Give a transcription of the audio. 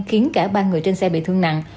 khiến cả ba người trên xe bị thương nặng